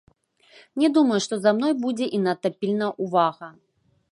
Не думаю, што за мной будзе і надта пільная ўвага.